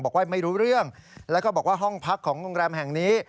บอกว่าไม่รู้เรื่องแล้วก็บอกว่าห้องพักของโรงแรมแห่งนี้